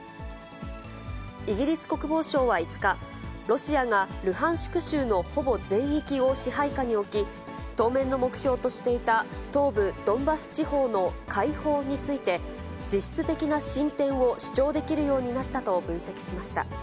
イギリス国防省は５日、ロシアがルハンシク州のほぼ全域を支配下に置き、当面の目標としていた、東部ドンバス地方の解放について、実質的な進展を主張できるようになったと分析しました。